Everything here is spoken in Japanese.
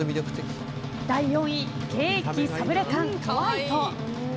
第４位ケーキサブレ缶ホワイト。